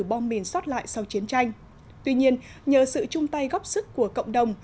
bom mìn xót lại sau chiến tranh tuy nhiên nhờ sự chung tay góp sức của cộng đồng